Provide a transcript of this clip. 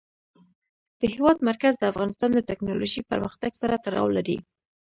د هېواد مرکز د افغانستان د تکنالوژۍ پرمختګ سره تړاو لري.